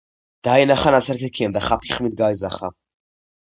დაინახა ნაცარქექიამ და ხაფი ხმით გასძახა: